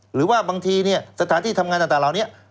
หรือว่าบางทีสถานที่ทำงานต่างเหล่านี้